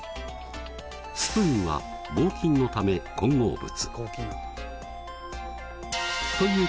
スプーンは合金のため混合物。